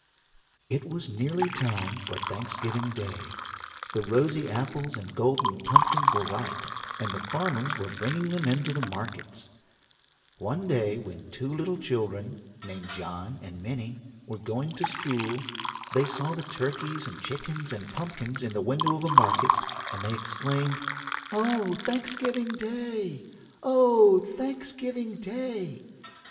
It was nearly time for Thanksgiving Day. The rosy apples and golden pumpkins were ripe, and the farmers were bringing them into the markets. [Footnote 15: From "Boston Collection of Kindergarten Stories," J. L. Hammett Company.] One day when two little children, named John and Minnie, were going to school, they saw the turkeys and chickens and pumpkins in the window of a market, and they exclaimed, "Oh, Thanksgiving Day! Oh, Thanksgiving Day!"